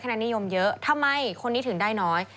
แนนนิยมเยอะทำไมคนนี้ถึงได้น้อย